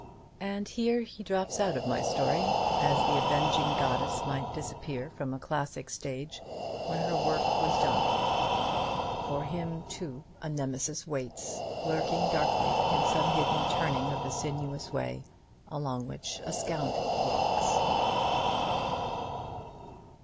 And here he drops out of my story, as the avenging goddess might disappear from a classic stage when her work was done. For him too a Nemesis waits, lurking darkly in some hidden turning of the sinuous way along which a scoundrel walks.